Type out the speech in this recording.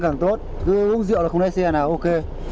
càng tốt cứ uống rượu là không lái xe nào ok